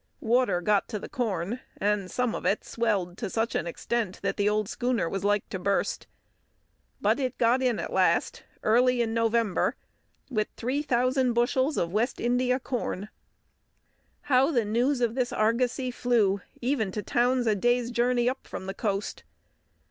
Water got to the corn, and some of it swelled to such an extent that the old schooner was like to burst. But it got in at last, early in November, with three thousand bushels of this West India corn. How the news of this argosy flew even to towns a day's journey up from the coast!